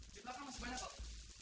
di belakang masih banyak pak